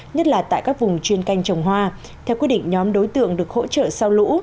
nhất là tại các vùng chuyên canh trồng hoa theo quyết định nhóm đối tượng được hỗ trợ sau lũ